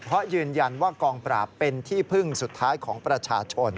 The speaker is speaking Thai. เพราะยืนยันว่ากองปราบเป็นที่พึ่งสุดท้ายของประชาชน